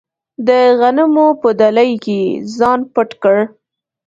د غنمو په دلۍ کې یې ځان پټ کړ.